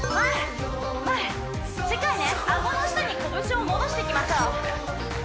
前前しっかりね顎の下に拳を戻していきましょう